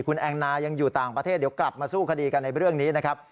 คุณแองนายังอยู่ต่างประเทศเดี๋ยวกลับมาสู้คดีกันในเรื่องนี้นะครับ